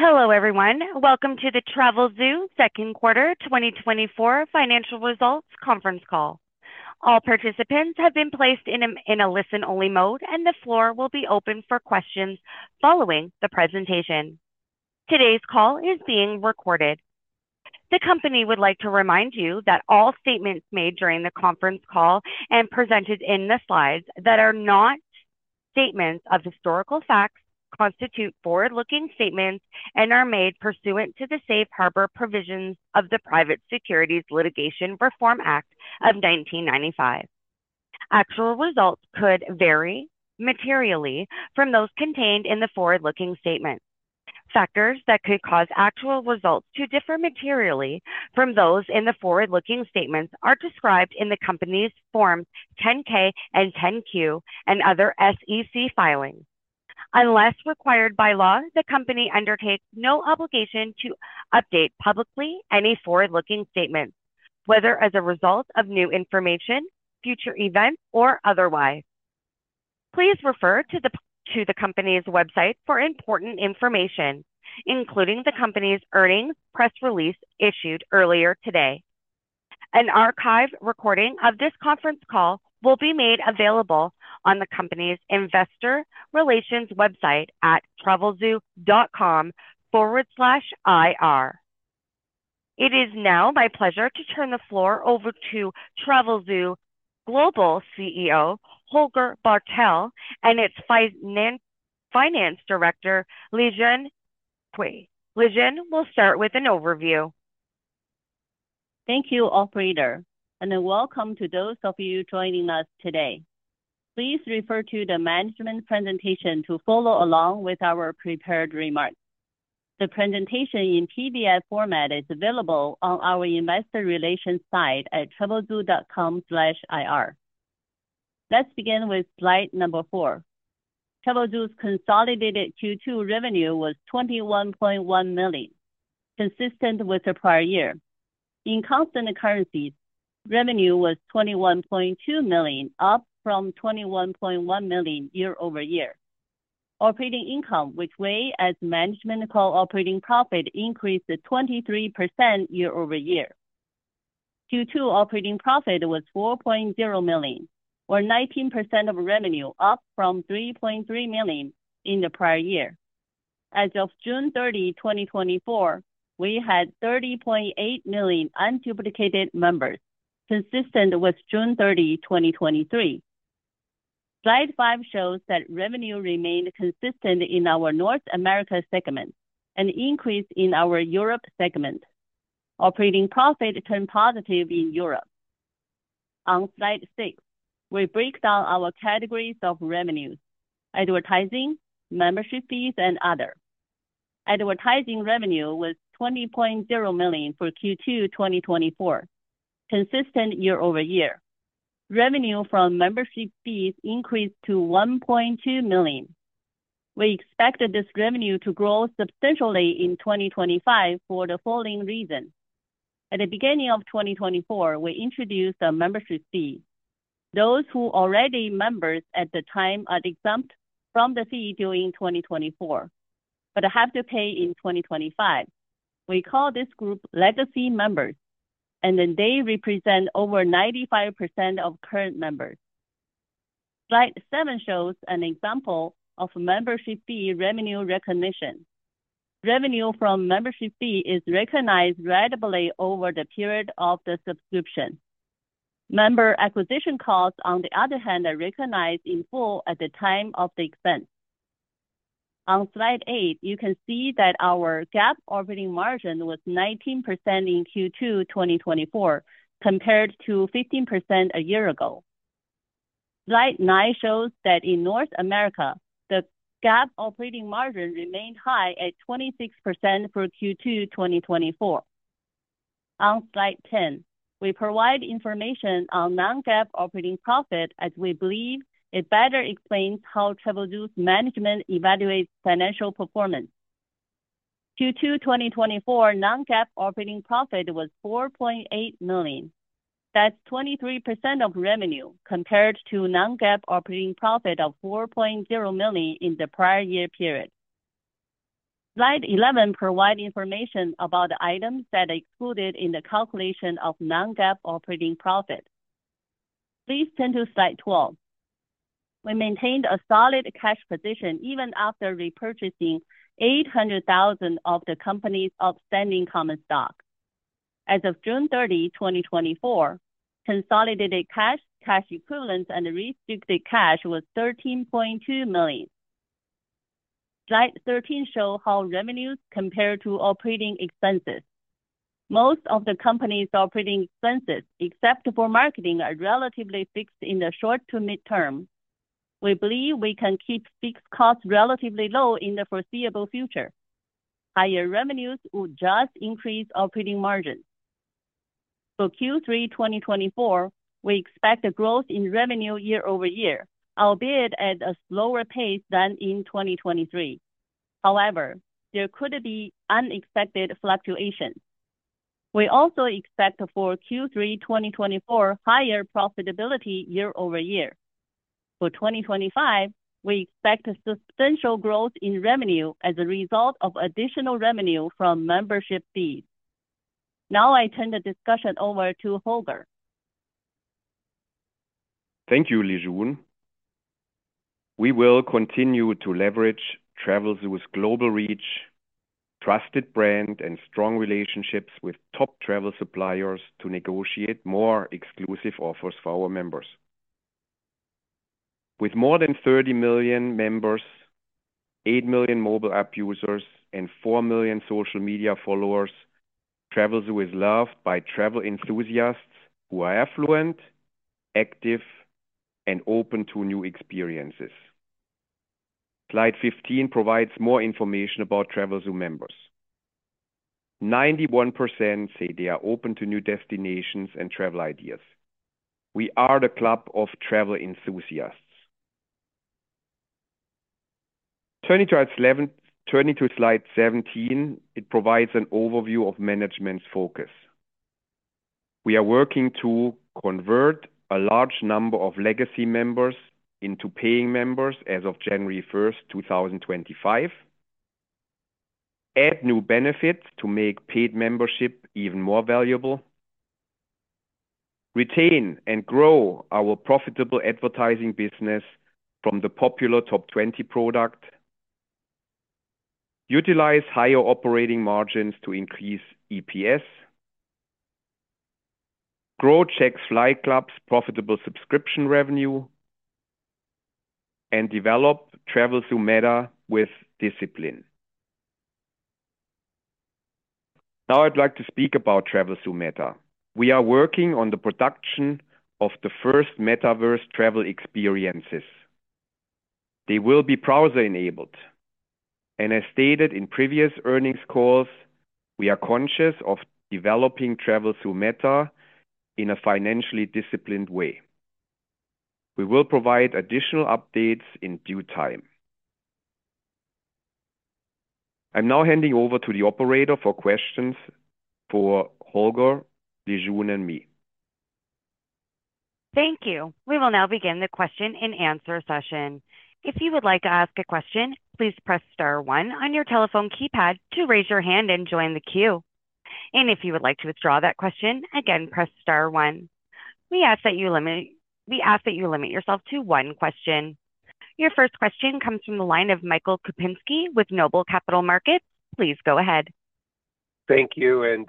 Hello, everyone. Welcome to the Travelzoo second quarter 2024 financial results conference call. All participants have been placed in a listen-only mode, and the floor will be open for questions following the presentation. Today's call is being recorded. The company would like to remind you that all statements made during the conference call and presented in the slides that are not statements of historical facts constitute forward-looking statements and are made pursuant to the Safe Harbor provisions of the Private Securities Litigation Reform Act of 1995. Actual results could vary materially from those contained in the forward-looking statement. Factors that could cause actual results to differ materially from those in the forward-looking statements are described in the company's Form 10-K and Form 10-Q and other SEC filings. Unless required by law, the company undertakes no obligation to update publicly any forward-looking statements, whether as a result of new information, future events, or otherwise. Please refer to the company's website for important information, including the company's earnings press release issued earlier today. An archive recording of this conference call will be made available on the company's investor relations website at travelzoo.com/ir. It is now my pleasure to turn the floor over to Travelzoo Global CEO, Holger Bartel, and its Finance Director, Lijun Cui. Lijun will start with an overview. Thank you, operator, and welcome to those of you joining us today. Please refer to the management presentation to follow along with our prepared remarks. The presentation in PDF format is available on our investor relations site at travelzoo.com/ir. Let's begin with Slide number 4. Travelzoo's consolidated Q2 revenue was $21.1 million, consistent with the prior year. In constant currencies, revenue was $21.2 million, up from $21.1 million year-over-year. Operating income, which we as management call operating profit, increased 23% year-over-year. Q2 operating profit was $4.0 million, or 19% of revenue, up from $3.3 million in the prior year. As of June 30, 2024, we had 30.8 million unduplicated members, consistent with June 30, 2023. Slide 5 shows that revenue remained consistent in our North America segment, and an increase in our Europe segment. Operating profit turned positive in Europe. On Slide 6, we break down our categories of revenues: advertising, membership fees, and other. Advertising revenue was $20.0 million for Q2 2024, consistent year-over-year. Revenue from membership fees increased to $1.2 million. We expected this revenue to grow substantially in 2025 for the following reason. At the beginning of 2024, we introduced a membership fee. Those who were already members at the time are exempt from the fee during 2024, but have to pay in 2025. We call this group legacy members, and they represent over 95% of current members. Slide 7 shows an example of membership fee revenue recognition. Revenue from membership fee is recognized ratably over the period of the subscription. Member acquisition costs, on the other hand, are recognized in full at the time of the expense. On Slide 8, you can see that our GAAP operating margin was 19% in Q2 2024, compared to 15% a year ago. Slide 9 shows that in North America, the GAAP operating margin remained high at 26% for Q2 2024. On Slide 10, we provide information on non-GAAP operating profit, as we believe it better explains how Travelzoo's management evaluates financial performance. Q2 2024 non-GAAP operating profit was $4.8 million. That's 23% of revenue, compared to non-GAAP operating profit of $4.0 million in the prior year period. Slide 11 provide information about the items that are excluded in the calculation of non-GAAP operating profit. Please turn to Slide 12. We maintained a solid cash position even after repurchasing 800,000 of the company's outstanding common stock. As of June 30, 2024, consolidated cash, cash equivalents, and restricted cash was $13.2 million. Slide 13 show how revenues compare to operating expenses. Most of the company's operating expenses, except for marketing, are relatively fixed in the short to mid-term. We believe we can keep fixed costs relatively low in the foreseeable future. Higher revenues will just increase operating margins. For Q3 2024, we expect a growth in revenue year-over-year, albeit at a slower pace than in 2023. However, there could be unexpected fluctuations. We also expect for Q3 2024, higher profitability year-over-year. ...For 2025, we expect a substantial growth in revenue as a result of additional revenue from membership fees. Now I turn the discussion over to Holger. Thank you, Lijun. We will continue to leverage Travelzoo's global reach, trusted brand, and strong relationships with top travel suppliers to negotiate more exclusive offers for our members. With more than 30 million members, eight million mobile app users, and four million social media followers, Travelzoo is loved by travel enthusiasts who are affluent, active, and open to new experiences. Slide 15 provides more information about Travelzoo members. 91% say they are open to new destinations and travel ideas. We are the club of travel enthusiasts. Turning to our seventeenth-- turning to Slide 17, it provides an overview of management's focus. We are working to convert a large number of legacy members into paying members as of January 1st, 2025, add new benefits to make paid membership even more valuable, retain and grow our profitable advertising business from the popular Top 20 product, utilize higher operating margins to increase EPS, grow Jack's Flight Club's profitable subscription revenue, and develop Travelzoo META with discipline. Now I'd like to speak about Travelzoo META. We are working on the production of the first metaverse travel experiences. They will be browser-enabled, and as stated in previous earnings calls, we are conscious of developing Travelzoo META in a financially disciplined way. We will provide additional updates in due time. I'm now handing over to the operator for questions for Holger, Lijun, and me. Thank you. We will now begin the question and answer session. If you would like to ask a question, please press star one on your telephone keypad to raise your hand and join the queue. And if you would like to withdraw that question, again, press star one. We ask that you limit yourself to one question. Your first question comes from the line of Michael Kupinski with Noble Capital Markets. Please go ahead. Thank you, and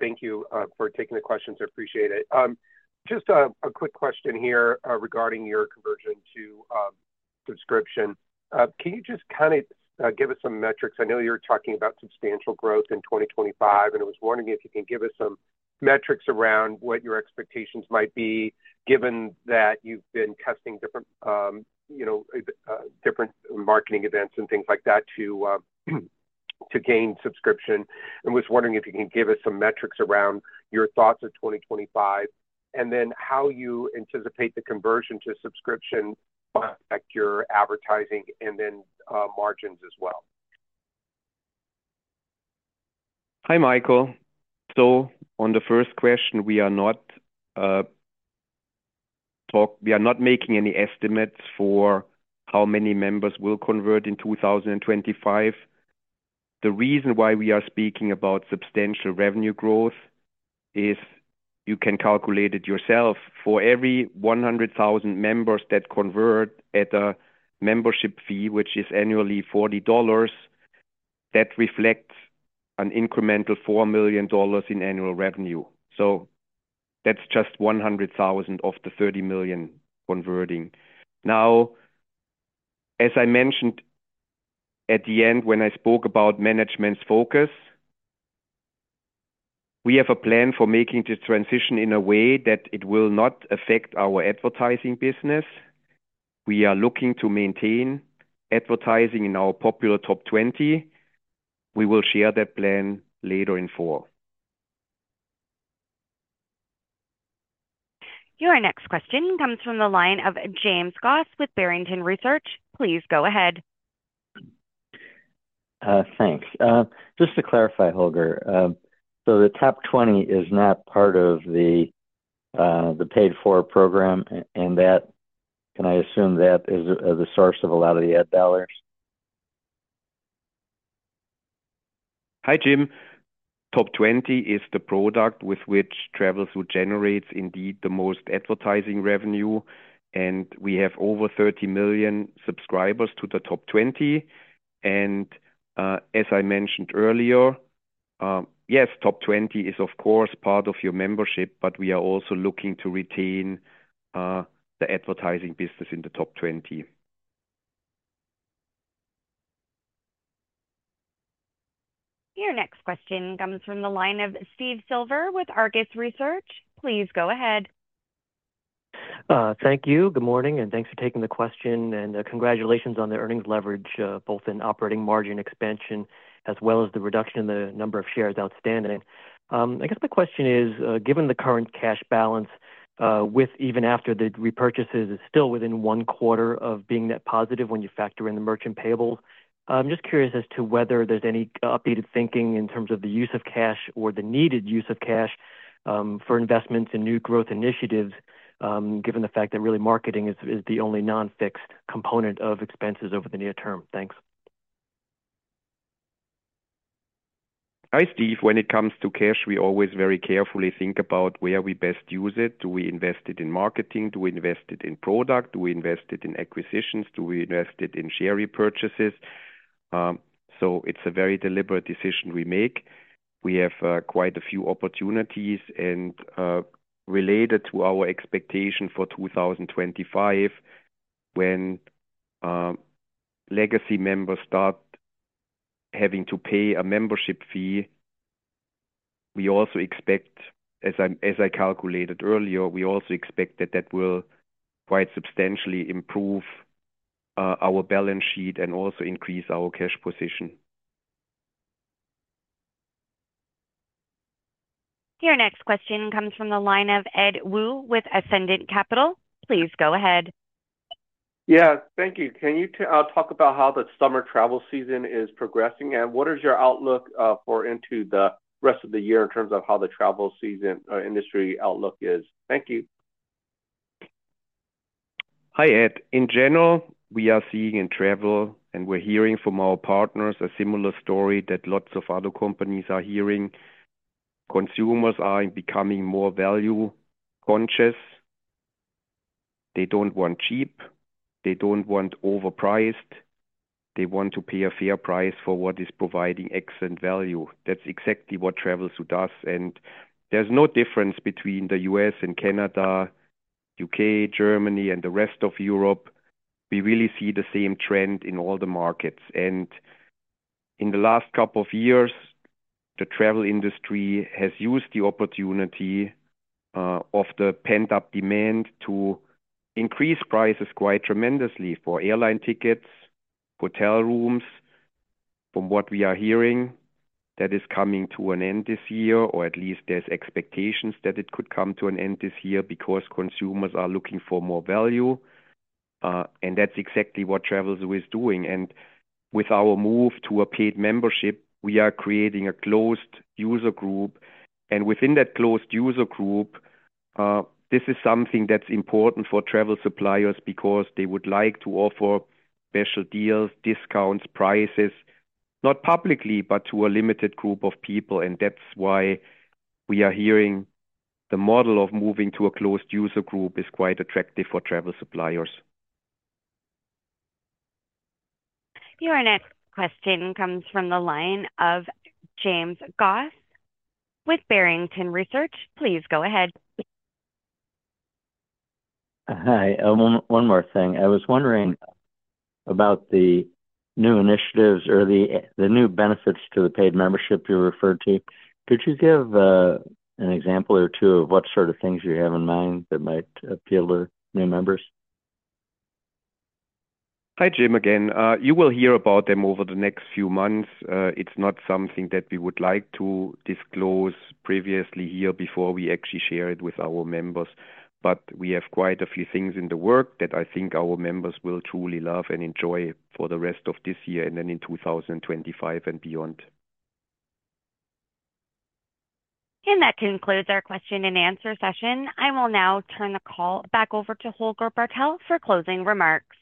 thank you for taking the questions. I appreciate it. Just a quick question here, regarding your conversion to subscription. Can you just kind of give us some metrics? I know you're talking about substantial growth in 2025, and I was wondering if you can give us some metrics around what your expectations might be, given that you've been testing different, you know, different marketing events and things like that to gain subscription. And was wondering if you can give us some metrics around your thoughts of 2025, and then how you anticipate the conversion to subscription will affect your advertising and then margins as well. Hi, Michael. So on the first question, we are not making any estimates for how many members will convert in 2025. The reason why we are speaking about substantial revenue growth is you can calculate it yourself. For every 100,000 members that convert at a membership fee, which is annually $40, that reflects an incremental $4 million in annual revenue. So that's just 100,000 of the 30 million converting. Now, as I mentioned at the end when I spoke about management's focus, we have a plan for making this transition in a way that it will not affect our advertising business. We are looking to maintain advertising in our popular Top 20. We will share that plan later in fall. Your next question comes from the line of James Goss with Barrington Research. Please go ahead. Thanks. Just to clarify, Holger, so the Top 20 is not part of the paid for program, and that, can I assume that is the source of a lot of the ad dollars? Hi, Jim. Top 20 is the product with which Travelzoo generates indeed the most advertising revenue, and we have over 30 million subscribers to the Top 20. As I mentioned earlier, yes, Top 20 is of course part of your membership, but we are also looking to retain the advertising business in the Top 20. Your next question comes from the line of Steve Silver with Argus Research. Please go ahead. Thank you. Good morning, and thanks for taking the question, and congratulations on the earnings leverage, both in operating margin expansion as well as the reduction in the number of shares outstanding. I guess my question is, given the current cash balance, with even after the repurchases is still within one quarter of being net positive when you factor in the merchant payables. I'm just curious as to whether there's any updated thinking in terms of the use of cash or the needed use of cash, for investments in new growth initiatives, given the fact that really marketing is the only non-fixed component of expenses over the near term. Thanks. Hi, Steve. When it comes to cash, we always very carefully think about where we best use it. Do we invest it in marketing? Do we invest it in product? Do we invest it in acquisitions? Do we invest it in share repurchases? So it's a very deliberate decision we make. We have quite a few opportunities. Related to our expectation for 2025, when legacy members start having to pay a membership fee, we also expect, as I, as I calculated earlier, we also expect that that will quite substantially improve our balance sheet and also increase our cash position. Your next question comes from the line of Ed Woo with Ascendiant Capital Markets. Please go ahead. Yeah. Thank you. Can you talk about how the summer travel season is progressing, and what is your outlook for into the rest of the year in terms of how the travel season industry outlook is? Thank you. Hi, Ed. In general, we are seeing in travel, and we're hearing from our partners, a similar story that lots of other companies are hearing. Consumers are becoming more value conscious. They don't want cheap, they don't want overpriced. They want to pay a fair price for what is providing excellent value. That's exactly what Travelzoo does, and there's no difference between the U.S. and Canada, U.K., Germany, and the rest of Europe. We really see the same trend in all the markets. In the last couple of years, the travel industry has used the opportunity of the pent-up demand to increase prices quite tremendously for airline tickets, hotel rooms. From what we are hearing, that is coming to an end this year, or at least there's expectations that it could come to an end this year because consumers are looking for more value, and that's exactly what Travelzoo is doing. And with our move to a paid membership, we are creating a closed user group, and within that closed user group, this is something that's important for travel suppliers because they would like to offer special deals, discounts, prices, not publicly, but to a limited group of people. And that's why we are hearing the model of moving to a closed user group is quite attractive for travel suppliers. Your next question comes from the line of James Goss with Barrington Research. Please go ahead. Hi. One more thing. I was wondering about the new initiatives or the new benefits to the paid membership you referred to. Could you give an example or two of what sort of things you have in mind that might appeal to new members? Hi, Jim, again. You will hear about them over the next few months. It's not something that we would like to disclose previously here before we actually share it with our members. But we have quite a few things in the works that I think our members will truly love and enjoy for the rest of this year, and then in 2025 and beyond. That concludes our question and answer session. I will now turn the call back over to Holger Bartel for closing remarks.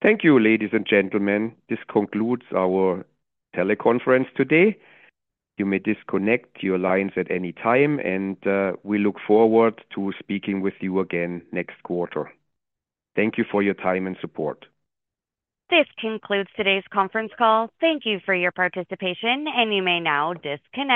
Thank you, ladies and gentlemen. This concludes our teleconference today. You may disconnect your lines at any time, and we look forward to speaking with you again next quarter. Thank you for your time and support. This concludes today's conference call. Thank you for your participation, and you may now disconnect.